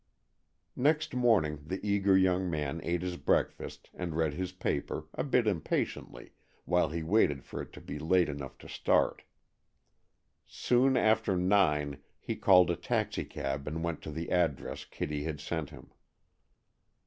Next morning the eager young man ate his breakfast, and read his paper, a bit impatiently, while he waited for it to be late enough to start. Soon after nine, he called a taxicab and went to the address Kitty had sent him.